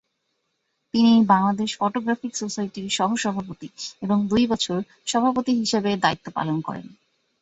তিনি বাংলাদেশ ফটোগ্রাফিক সোসাইটির সহসভাপতি এবং দুই বছর সভাপতি হিসেবে দায়িত্ব পালন করেন।